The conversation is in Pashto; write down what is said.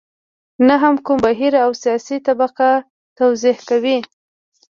نه هم کوم بهیر او سیاسي طبقه توضیح کوي.